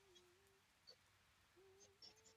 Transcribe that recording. The "first freed house" stands on "Landsberger Allee".